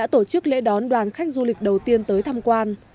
trước lễ đón đoàn khách du lịch đầu tiên tới thăm quan